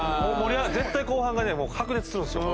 絶対後半がね白熱するんですよ。